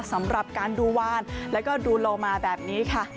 สำหรับการดูวานแล้วก็ดูโลมาแบบนี้ค่ะ